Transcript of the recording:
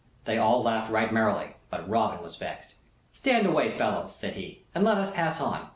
They all laughed right merrily; but Robin was vexed. "Stand away, fellows," said he, "and let us pass on.